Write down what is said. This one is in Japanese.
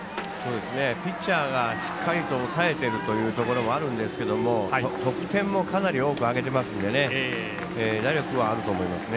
ピッチャーがしっかりと抑えてるというところもあるんですけど得点もかなり多く挙げているので打力はあると思いますね。